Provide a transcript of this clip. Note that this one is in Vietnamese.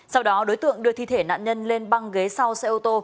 sau đó đối tượng đưa thi thể nạn nhân lên băng ghế sau xe ô tô